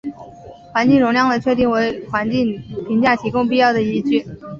环境容量的确定为环境评价提供必要的依据。